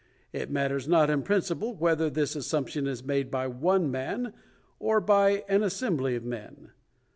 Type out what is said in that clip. It matters not in principle whether this assump tion is made by one man, or by an assembly of men.